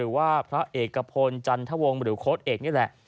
หรือว่าพระเอกกระพลชันธวงศ์หรือโค้ตเอกนี่แหละ